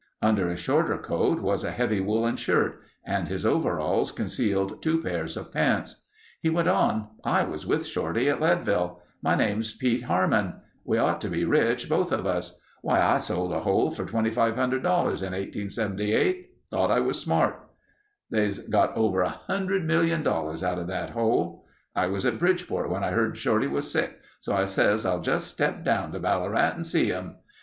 Under a shorter coat was a heavy woolen shirt and his overalls concealed two pairs of pants. He went on: "I was with Shorty at Leadville. My name's Pete Harmon. We ought to be rich—both of us. Why, I sold a hole for $2500 in 1878. Thought I was smart. They've got over $100,000,000 outa that hole. I was at Bridgeport when I heard Shorty was sick, so I says, 'I'll just step down to Ballarat and see him.